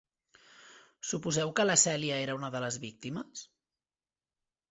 Suposeu que la Cèlia era una de les víctimes?